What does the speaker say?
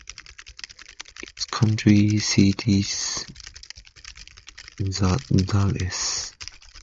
Its county seat is The Dalles.